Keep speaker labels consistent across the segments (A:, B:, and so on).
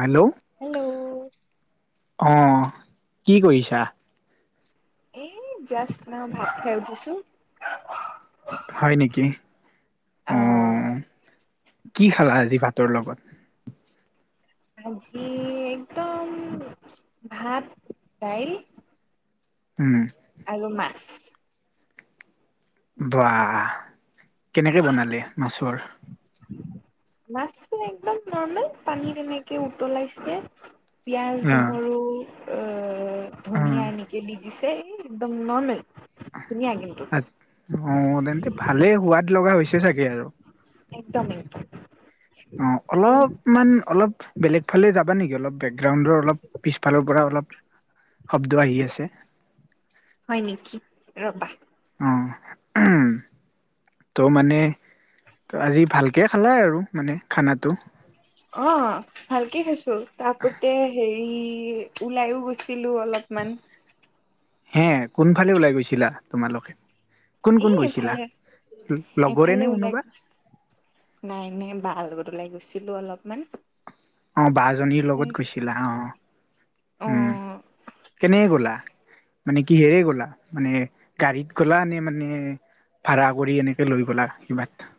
A: Hello অহ' কি কৰিছা?
B: এই জাষ্ট না ভাত খাই উঠিছোঁ।
A: হয় নেকি,
B: আহ
A: অ' কি খালা আজি ভাতৰ লগত?
B: আজি একদম ভাত, দাইল।
A: উম।
B: আৰু মাছ।
A: বাহ, কেনেকে বনালে মাছৰ?
B: মাছটো একদম নৰ্মেল পানী এনেকে উতলাইছে। পিয়াঁজ,
A: অ
B: নহৰু, অ
A: অ
B: ধনিয়া এনেকি দি দিছে, এই একদম নৰ্মেল। ধুনীয়া কিন্তু
A: অ', তেন্তে ভালে সোৱাদ লগা হৈছে চাগে আৰু।
B: একদম, একদম।
A: অ',
B: উ
A: অলপ মান অলপ বেলেগ ফালে যাবা নেকি অলপ বেকগ্ৰাউণ্ডৰ অলপ পিছফালৰ পৰা অলপ শব্দ আহি আছে।
B: হয় নেকি ৰ'বা
A: অ', ত' মানে আজি ভালকে খালে আৰু মানে খানাটো।
B: অ', ভালকে খাইছোঁ। [unintelligible] হেৰি। ওলাইও গৈছিলো অলপমান
A: হে কোনফালে ওলাই গৈছিলা তোমালোকে কোন
B: এ
A: কোন গৈছিলা
B: এইফালে
A: লগৰে
B: এইফালে
A: নে
B: ওলাই
A: কোনোবা?
B: নাই নাই [unintelligible] ওলাই গৈছিলো অলপমান।
A: আৰু বা জনীৰ লগত
B: নাইচ।
A: হৈছিলা অ', - অ',
B: অ
A: উম। কেনে গ'লা মানে কিহেৰে গ'লা মানে গাড়ীত গ'লা নে মানে ভাড়া কৰি এনেকে লৈ গ'লা কিবাত?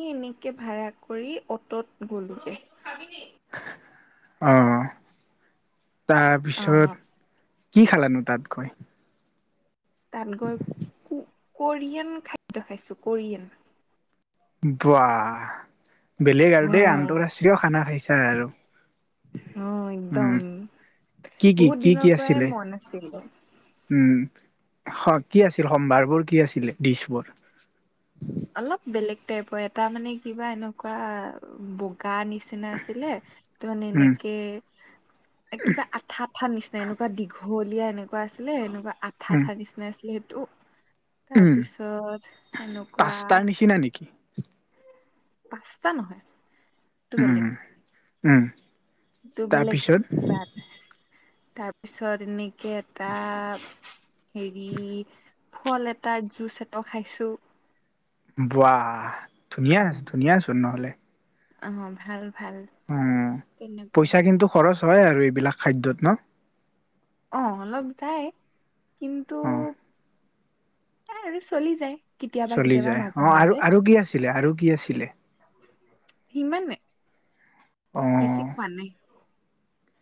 B: ইহ এনেকে ভাড়া কৰি অটত গ'লোগে।
A: অ'।
B: অ
A: তাৰপিছত কি খালানো তাত গৈ?
B: তাত গৈ ক কোৰিয়ান খাদ্য খাইছোঁ, কোৰিয়ান।
A: ৱাহ। বেলেগ
B: অ
A: আৰু দেই, আন্তৰাষ্ট্ৰীয় খানা খাইছা আৰু
B: একদম
A: উম, কি কি
B: বহুত
A: কি
B: দিনৰ
A: কি
B: পৰাই
A: আছিলে?
B: মন আছিলে
A: উম। অ', কি আছিল সম্ভাৰবোৰ কি আছিলে দিছবোৰ?
B: অলপ বেলেগ টাইপৰ এটা মানে কিবা এনেকুৱা বুক গা নিচিনা আছিলে ত' মানে
A: উম
B: এনেকে কিবা আঠা আঠা নিচিনা এনেকুৱা দীঘল। দীঘলীয়া এনেকুৱা আছিলে এনেকুৱা। আঠা
A: উম
B: আঠা নিচিনা আছিলে স [inaudible] তাৰ
A: উম
B: পিছত এনেকুৱা
A: পাস্তাৰ নিচিনা নেকি। [inaudible]
B: পাস্তা নহয়। টো
A: উম
B: বেলেগ,
A: উম
B: টো বেলেগ
A: তাৰপিছত
B: কিবা এটা। তাৰপিছত এনেকে এটা হেৰি ফল এটাৰ জুচ এটা খাইছো।
A: ৱাহ। ধুনীয়া আছে ধুনীয়াচোন নহ'লে।
B: অ' ভাল।
A: উম,
B: তেনেকুৱাই
A: পইচা কিন্তু খৰচ হয় আৰু বিলাক খাদ্যত ন।
B: অ', অলপ যাই। কিন্তু
A: অ'।
B: এ হেৰি চলি যায়। কেতিয়াবা
A: চলি
B: কেতিয়াবা
A: যায়
B: মাজে
A: অ',
B: মাজে
A: আৰু আৰু কি আছিলে আৰু কি আছিলে?
B: সিমান নে বেছি
A: অ'।
B: খোৱা নাই।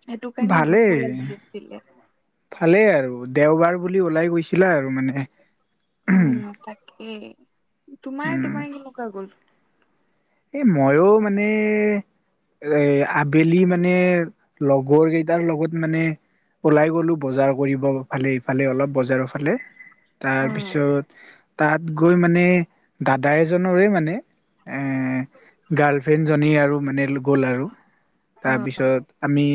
B: সেইটো কাৰণে
A: ভালেই
B: ভোকো লাগি আছিলে।
A: ভালেই আৰু দেওবাৰ বুলি ওলাই গৈছিলা আৰু মানে।
B: উম তাকেই, তোমাৰ
A: উম,
B: তোমাৰ কেনেকুৱা গ'ল?
A: এই ময়ো মানে, এই আবেলি মানে লগৰ কেইটাৰ লগত মানে ওলাই গ'লো বজাৰ কৰিব ফালে ইফালে অলপ বজাৰৰ ফালে।
B: অ
A: তাৰপিছত তাত গৈ মানে দাদা এজনৰে মানে এ গাৰ্ল ফ্ৰেড জনি আৰু মানে গল আৰু।
B: অ
A: তাৰপিছত আমি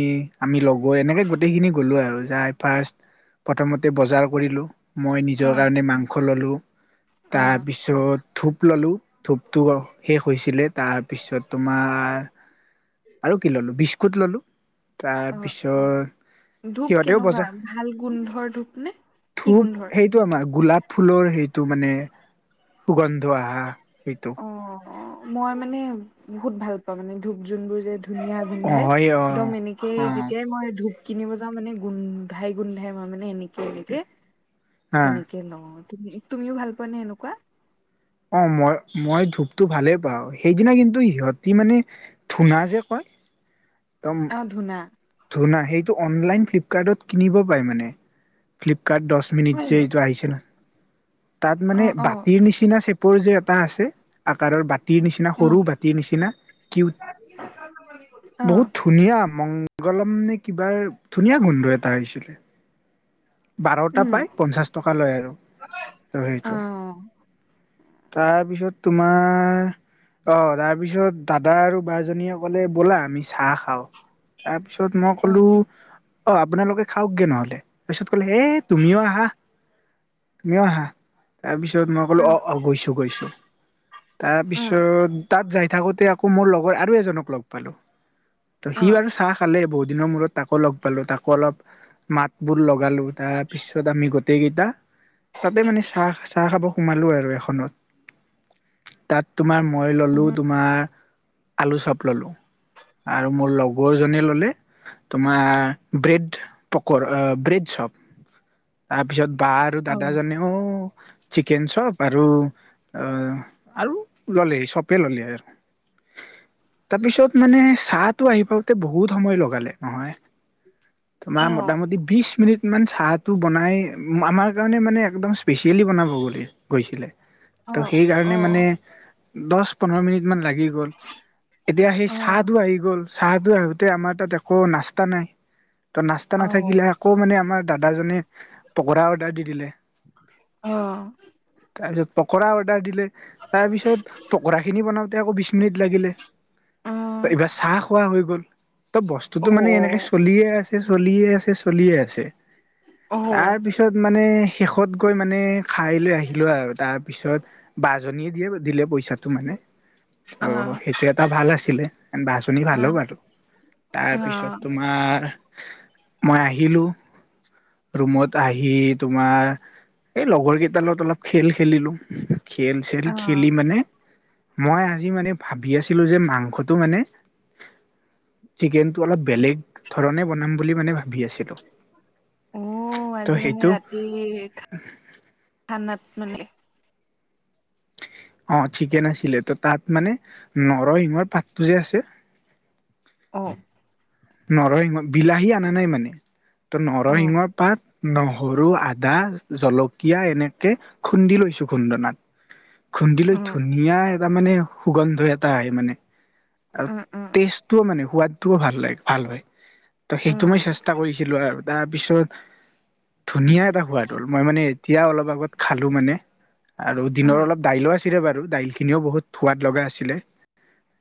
A: আমি লগৰ এনেকে গোটেইখিনি গ'লো আৰু যাই ফাৰ্ষ্ট প্ৰথমতে বজাৰ কৰিলোঁ। মই
B: অ
A: নিজৰ কাৰণে মাংস ললো।
B: অ
A: তাৰপিছত ধূপ ললো, ধূপটো সেষ হৈছিলে। তাৰপিছত তোমাৰ আৰু কি ল'লো, বিস্কুট ক'ত ললোঁ? তাৰপিছত
B: অ', ধূপ
A: সিহঁতেও
B: কেনেকুৱা
A: বজাৰ
B: ভাল গোন্ধৰ ধূপ নে, কি
A: ধূপ
B: গোন্ধৰ
A: সেইটো আমাৰ গোলাপ ফুলৰ সেইটো মানে সুগন্ধ আহা সেইটো।
B: অ', মই মানে বহুত ভাল পাওঁ মানে ধূপ যোনবোৰ যে ধুনীয়া
A: অ
B: গোন্ধাই,
A: হয় অ
B: একদম এনেকেই
A: অ
B: যেতিয়াই মই ধুপ কিনিব যাওঁ মানে গোন্ধাই গোন্ধাই মই মানে এনেকে এনেকে
A: হা
B: তেনেকে নহয়। তুমিও ভাল পোৱা নে এনেকুৱা?
A: অ', মই মই ধূপটো ভালেই পাওঁ, সেইদিনা কিন্তু সিহঁতি মানে ধুনা যে কয়
B: অ', ধুনা।
A: সোনা সেইতো অনলাইন ফ্লিপকাৰ্ট কিনিব পায় মানে। ফ্লিপকাৰ্ট দহ মিনিট
B: হয়
A: যে
B: নি
A: এইটো আহিছে নয় তাত মানে
B: অ', অ', অ',
A: বাতিৰ নিচিনা চেপৰ যে এটা আছে আকাৰৰ বাতিৰ নিচিনা
B: অ',
A: সৰু বাতিৰ নিচিনা কিউট, বহুত ধুনীয়া। ম [unintelligible] গলম নে কিবাৰ ধুনীয়া গোন্ধ এটা আহিছিলে, বাৰটা পাই
B: উম,
A: পঞ্চাছ টকা লয় আৰু, ত সেইটো।
B: অ',
A: তাৰপিছত তোমাৰ অ তাৰপিছত দাদা আৰু বা জনীয়ে ক'লে ব'লা আমি চাহ খাওঁ ত। পিছত মই
B: অ', অ',
A: ক'লো, অ', আপোনালোকে খাওক গে নহ'লে। তাৰিছত কলে এ তুমিও আহা, তুমিও আহা। তাৰ পিছত মই ক'লো অ', অ' গৈছো, গৈছো
B: অ',
A: তাৰপিছত তাত যাই থাকোতে আকৌ মোৰ লগৰ আৰু এজনক লগ পালোঁ। ত
B: অ',
A: সি
B: অ',
A: বাৰু চাহ খালে বহুত, দিনৰ মূৰত তাকো লগ পালো তাকো অলপ মাত। বোৰ লগালো তাৰপিছত আমি গোটেইকেইটা তাতে মানে চাহ চাহ খাব সোমালোঁ আৰু এখনত তাত, তোমাৰ মই ল'লোঁ তোমাৰ, আলু চপ ল'লোঁ আৰু মোৰ লগৰজনে ল'লে তোমাৰ ব্ৰেড পকৰা। ব্ৰিজ সপ তাৰপিছত। বা আৰু দাদাজনেও। চিকেন চপ আৰু আৰু ল'লে চবে ল'লে আৰু। তাৰপিছত মানে চাত। টো আহি পাওঁতে বহুত সময় লগালে নহয় তোমাৰ
B: অ',
A: ম
B: অ',
A: মোটামুটি বিশ মিনিট মান। চাহটো বনাই আমাৰ কাৰণে মানে একদম স্পেচিয়েলি বনাব বুলি গৈছিলে, ত'
B: অ', অ', অ', অ', অ',
A: সেইকাৰণে মানে দহ পোন্ধৰ মিনিট মান লাগিব গল এতিয়া সেই চাহটো আহি গ'ল, চাহটো আহোতে আমাৰ তাত একো নাস্তা নাই। টা নাথাকিলে আকৌ মানে আমাৰ দাদাজনে, পকৰা অৰ্ডাৰ দি দিলে, তাৰপিছত
B: অ'
A: পকৰা অৰ্ডাৰ দিলে তাৰ পিছত পকৰা খিনি বনাওঁ। এয়া আকৌ বিশ মিনিট লাগিলে
B: অ', অ', অ',
A: এইবাৰ চাহ খোৱা হৈ গল। ত বস্তুতটো মানে এনেকে চলিয়ে আছে। চলিয়ে আছে, চলিয়ে আছে। তাৰ পিছত মানে শেষত গৈ মানে খাই লৈ আহিলোঁ আৰু তাত পিছত বা জনিয়ে দিয়ে, দিলে পইচা মানে, ত' সেইটো এটা ভাল আছিলে। বা জনি ভালো
B: অ',
A: বাৰু,
B: অ',
A: তাৰপিছত তোমাৰ মই আহিলো, ৰুমত আহি তোমাৰ, এই লগৰ কেইটা লগত অলপ খেল খেলিলো। খেল চেল
B: অ', অ',
A: খেলি মানে মই আজি মানে ভাবি আছিলো যে মাংসটো মানে চিকেন অলপ বেলেগ ধৰণ বনাম বুলি মানে ভ ভাবি আছিলো
B: অ' আজি
A: ত'
B: মানে
A: সেইটো
B: ৰাতি নানে
A: অ চিকেন আছিলে ত' তাত মানে নৰসিংহৰ পাতটো যে আছে
B: হয়
A: নৰসিংহ বিলাহী অনা নাই মানে ত
B: অ'
A: নৰসিংহৰ পাত নহৰু আদা জলকীয়া এনেকে খুন্দি লৈছো খুন্দনাত খুন্দি লৈ
B: উম,
A: ধুনীয়া এ তাৰ মানে সুগন্ধ এটা আহে মানে আৰু
B: উম, উম,
A: তেজটোও মানে সোৱাদটোও ভাল লাগ ভাল হয় ত সেইটো মই
B: উম,
A: চেষ্টা কৰিছিলো আৰু তাৰপিছত ধুনীয়া এটা সোৱাদ হ'ল মই মানে এতিয়া অলপ আগত খালো মানে আৰু
B: উম,
A: দিনৰ অলপ দাইলো আছে আছিল বাৰু দাইলখিনিও বহুত সোৱাদ লগা আছিলে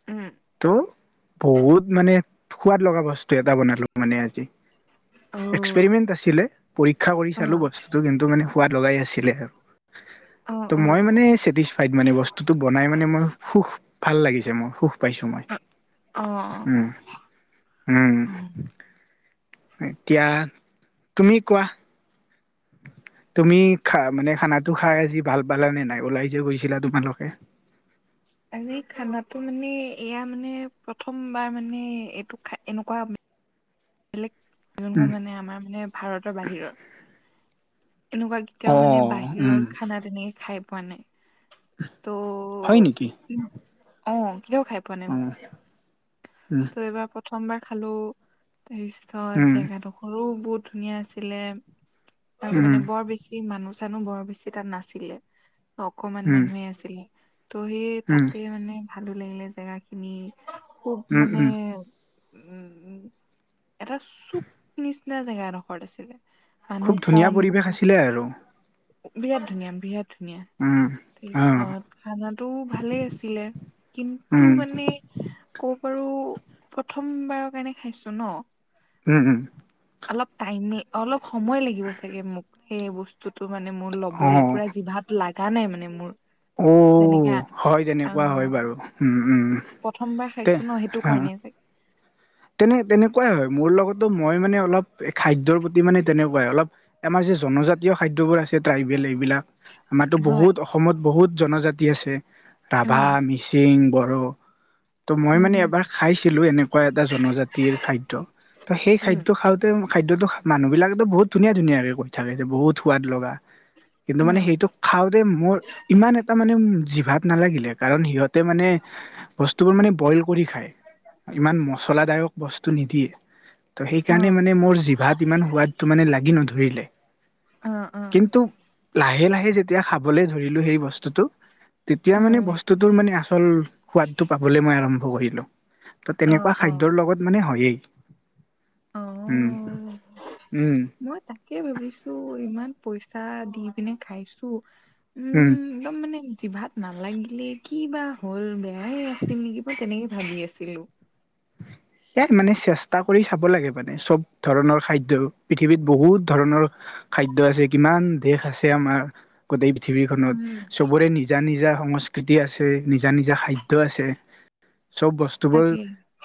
B: উম
A: ত' বহুত মানে সোৱাদ লগা বস্তু এটা বনালো মানে আজি
B: অ'
A: এক্সপেৰিমেন্ট আছিলে পৰীক্ষা কৰি চালো
B: অ'
A: বস্তুতটো কিন্তু মানে খোৱাদ লগাই আছিলে আৰু। ত' মই
B: অ'
A: মানেচছেটিছফাইড মানে, বস্তুটো বনাই মানে মই সুখ ভাল লাগিছে মোৰ, সুখ পাইছো মই।
B: অ'
A: উম, উম।
B: অ'
A: এতিয়া তুমি কোৱা তুমি খা মানে খানাটো খাই আজি ভাল পালানে নাই ওলাই যে গৈছিলা তোমালোকে?
B: আজি খানাটো মানে, এয়া মানে, প্ৰথমবাৰ মানে এইটো খা এনেকুৱা [unintelligible]
A: উম
B: যোনখন মানে আমাৰ মানে ভাৰতৰ বাহিৰৰ এনেকুৱা
A: অ
B: কেতিয়াও মানে বাহিৰৰ
A: উম
B: খানা তেনে খাই পোৱা নাই ত'
A: হয়
B: অ',
A: নেকি
B: অ', কেতিয়াও খাই পোৱা নাই
A: অ
B: মই
A: উম
B: ত' এইবাৰ প্ৰ প্ৰথমবাৰ খালো তাৰপিছত
A: উম
B: জেগাডোখৰো বহুত ধুনীয়া আছিলে অ, '
A: উম
B: মানে বৰ বেছি মানু জানো বৰ বেছি তাত নাছিলে। অকমান
A: উম
B: মানুহে আছিলে। ত' সেই
A: উম
B: তাতে মানে ভালো লাগিলে জেগাখিনি খুব
A: উম
B: মানে
A: উম
B: উম -উম। এটা চুক নিচিনা জেগা দখৰত আছিলে। মানুহ
A: খুব ধুনীয়া
B: কম
A: পৰিৱেশ
B: বহুত
A: আছিলে আৰু
B: বিৰাট ধুনিয়া বিৰাট ধুনীয়া
A: উম অ
B: তাৰপিছত খানাটো ভালে আছিলে কিন্তু
A: উম
B: মানে ক পাৰো। প্ৰথম বাৰৰ কাৰণে খাইছো ন।
A: উম উম।
B: অলপ টাইমে অলপ সময় লাগিব চাগে মোক। সেই বস্তু টো মানে মোৰ
A: অ
B: ল'বলে পুৰা জিভাত লাগ [unintelligible] নাই মানে মোৰ। যেনেকে
A: অ',
B: আ
A: হয় তেনেকুৱা হয় বাৰু। উম, উম,
B: প্ৰথমবাৰ
A: তে,
B: খাইছো ন সেইটো
A: হা
B: কাৰণে চাগে
A: তেনে-তেনেকুৱাই হয় মোৰ লগতো, মই মানে অলপ খাদ্যৰ প্ৰতি মানে তেনেকুৱাই, অলপ আমাৰ যে জনজাতীয় খাদ্যবোৰ আছে ট্ৰাইবেল এইবিলাক আমাৰটো
B: হয়
A: বহুত অসমত বহুত জনজাতি আছে ৰাভা,
B: উম
A: মিচিং, বড়ো। ত' মই
B: উম
A: মানে
B: হম
A: এবাৰ খাইছিলোঁ এনেকুৱা জনজাতিৰ খাদ্য ত' সেই খাদ্য খাওঁতে খাদ্য মানুহবিলাকো বহুত ধুনীয়া, ধুনীয়াকে কৈ থাকে যে, বহুত সোৱাদ লগা। কিন্তু মানে
B: উম
A: সেইটো খাওঁতে মোৰ ইমান এটা মানে উম, যিভাত নালাগিলে কাৰণ সিহঁত তে মানে, বস্তুবোৰ মানে বইল কৰি খায়। ইমান মস ত'ক বস্তু নিদিয়ে। ত, সেইকাৰণে
B: উম
A: মানে মোৰ জিভাত ইমান সোৱাদটো মানে লাগি নধৰিলে।
B: অ অ অ
A: কিন্তু লাহে-লাহে, সেই যেত তিয়া খাবলে ধৰিলো সেই বস্তুটো, তেতিয়া মানে
B: উম
A: বস্তুটোৰ মানে আচল সোৱাদটো পাবলৈ মই আৰম্ভ কৰিলো। ত'
B: অ
A: তেনেক
B: অ
A: খাদ্যৰ লগত মানে হয়েই। উম
B: অ'
A: উম
B: মই তাকে ভাবিছো ইমান পইচা দি পিনে খাইছো। উম, একডম মানে জিভাত নালাগিলে কিবা হ'ল। ব নাই এ এছ টি মিলিব তেনেকে ভাবি আছিলো।
A: ইয়াত মানে চেষ্টা কৰি চাব লাগে মানে, চব ধৰণৰ খাদ্য পৃথিৱীত বহুত ধৰণৰ খাদ্য আছে। কিমান দেশ আছে আমাৰ গোটেই পৃথিৱীখনত
B: উম
A: চবৰে নিজা-নিজা, সংস্কৃতি আছে, নিজা-নিজা খাদ্য আছে। চব বস্তুবোৰ
B: তাকে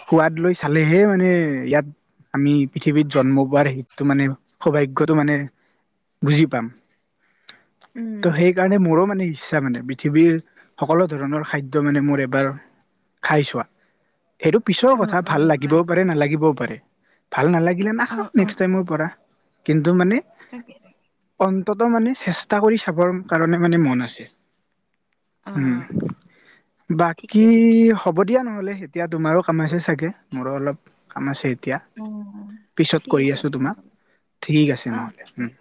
A: সোৱাদ লৈ চাল ৱেহে মানে ইয়াত আমি পৃথিৱীত জন্ম পোৱাৰ হিতটো মানে সৌভাগ্যটো মানে বুজি পাম। ত'
B: উম
A: সেইকাৰণে মোৰ মানে ইচ্ছা মানে, পৃথিৱীৰ সকলো ধৰণৰ খাদ্য মানে মোৰ এবাৰ খাই চোৱা। পিছৰ
B: অ
A: কথা
B: অ
A: ভাল
B: হয়
A: লাগিবও পাৰে নালাগিবও পাৰে। ভাল নালাগিলে
B: অ
A: নাখাওঁ, নেক্সট টাইমৰ পৰা। কিন্তু মানে?
B: তাকে-তাকে।
A: অন্তত মানে চেষ্টা কৰি চাবৰ কাৰণে মানে মন আছে।
B: অ
A: উম,
B: ঠিকে
A: বাকী
B: ঠিকে
A: হ'ব দিয়া নহয়। বোলে হেতিয়া তোমাৰো কমাইছা চাগে? মোৰ অলপ কাম আছেত দিয়া,
B: অ
A: পিছত কৰি
B: ঠিক
A: আছো
B: আছে
A: তোমাক। ঠিক আছে নহ'লে উম,